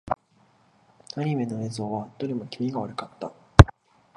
アニメの映像はどれも気味が悪かった。